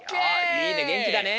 いいねげんきだね！